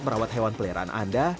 merawat hewan peleraan anda